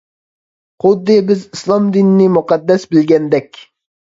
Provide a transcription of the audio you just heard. خۇددى بىز ئىسلام دىنىنى مۇقەددەس بىلگەندەك!